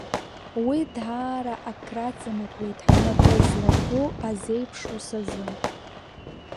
Уи даара акраҵанакуеит ҳнапы злаку азеиԥш ус азы.